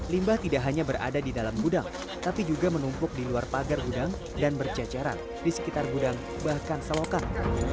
limbah tidak hanya berada di dalam gudang tapi juga menumpuk di luar pagar gudang dan berceceran di sekitar gudang bahkan selokan